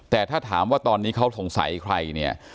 แต่ถ้าถามว่าตอนนี้เขาสงสัยใครเนี่ย